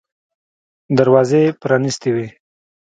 دروازې پرانیستې وې.